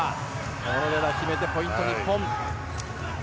小野寺が決めてポイント、日本。